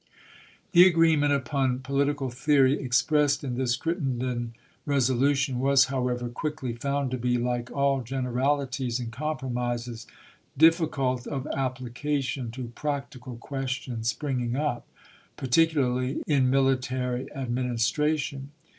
The agreement upon political theory expressed in this Crittenden resolution was, however, quickly found to be, like all generalities and compromises, difficult of application to practical questions spring ing up, particularly in military administration.